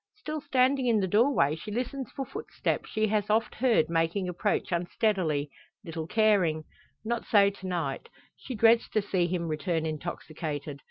Still standing in the door she listens for footsteps she has oft heard making approach unsteadily, little caring. Not so to night. She dreads to see him return intoxicated.